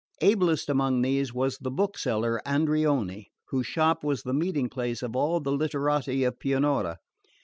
Ablest among them was the bookseller, Andreoni, whose shop was the meeting place of all the literati of Pianura.